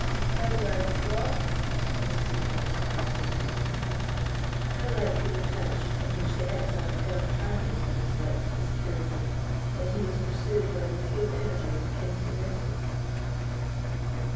"How now, Bucklaw?" was his morning's salutation—"how like you the couch in which the exiled Earl of Angus once slept in security, when he was pursued by the full energy of a king's resentment?"